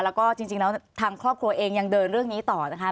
แล้วก็จริงแล้วทางครอบครัวเองยังเดินเรื่องนี้ต่อนะคะ